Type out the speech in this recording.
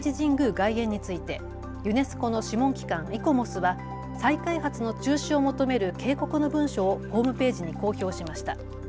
外苑についてユネスコの諮問機関、イコモスは再開発の中止を求める警告の文書をホームページに公表しました。